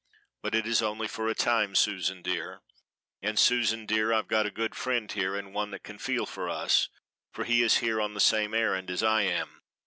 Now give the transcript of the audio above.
"But it is only for a time, Susan dear. And, Susan dear, I've got a good friend here, and one that can feel for us; for he is here on the same errand as I am.